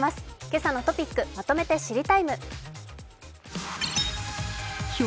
「けさのトピックまとめて知りＴＩＭＥ，」。